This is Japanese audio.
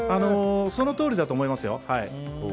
そのとおりだと思いますよ。